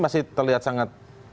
masih terlihat sangat